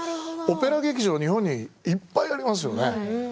オペラ劇場、日本にいっぱいありますよね。